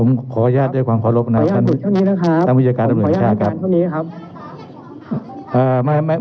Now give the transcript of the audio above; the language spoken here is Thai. ผมขออนุญาตด้วยความขอบคุณครับตั้งวิทยาการดำเนินคดีช่างนี้นะครับ